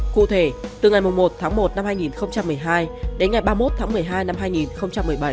cụ thể từ ngày một tháng một năm hai nghìn một mươi hai đến ngày ba mươi một tháng một mươi hai năm hai nghìn một mươi bảy